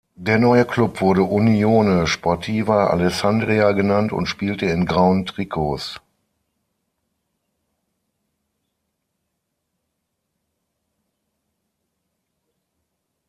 Der neue Klub wurde Unione Sportiva Alessandria genannt und spielte in grauen Trikots.